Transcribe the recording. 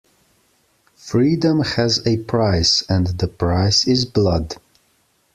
Freedom has a price, and the price is blood.